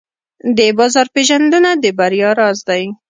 د بازار پېژندنه د بریا راز دی.